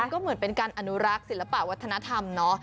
ก็เหมือนเป็นการอนุรักษ์ศิลปะวัฒนธรรมเนาะ